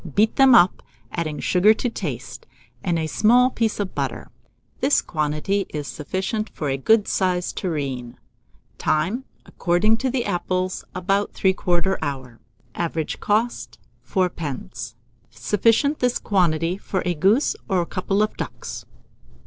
Beat them up, adding sugar to taste, and a small piece of butter This quantity is sufficient for a good sized tureen. Time. According to the apples, about 3/4 hour. Average cost, 4d. Sufficient, this quantity, for a goose or couple of ducks.